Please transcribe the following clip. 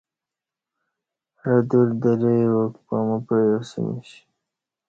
عدار درے واک پمو پعیاسمیش